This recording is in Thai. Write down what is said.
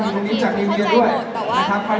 จริงเขาเข้าใจหมดแต่ว่าหนูอยาก